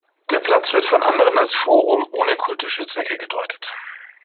Der Platz wird von anderen als Forum ohne kultische Zwecke gedeutet.